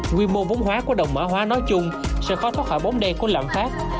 nguyên mô vốn hóa của đồng mở hóa nói chung sẽ khó thoát khỏi bóng đen của lãng phát